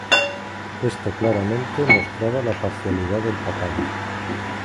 Esto claramente mostraba la parcialidad del papado.